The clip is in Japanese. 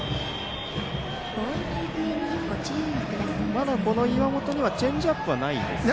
まだこの岩本にはチェンジアップはないですね。